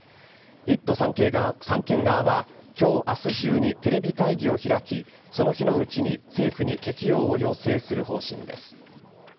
１都３県側は、きょう、あす中にテレビ会議を開き、その日のうちに政府に適用を要請する方針です。